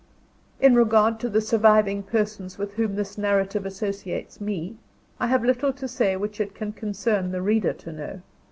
In regard to the surviving persons with whom this narrative associates me, I have little to say which it can concern the reader to know.